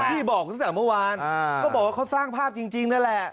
พี่บอกตั้งแต่เมื่อวานก็บอกว่าเขาสร้างภาพจริงนั่นแหละ